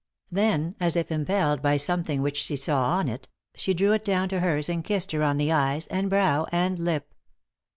Then, as if impelled by some thing which she saw on it, she drew it down to hers and kissed her on the eyes, and brow, and lip.